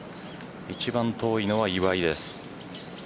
一番遠いのは岩井です。